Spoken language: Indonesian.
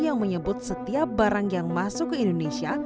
yang menyebut setiap barang yang masuk ke indonesia